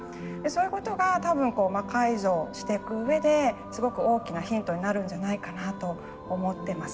そういうことが多分魔改造してくうえですごく大きなヒントになるんじゃないかなと思ってます。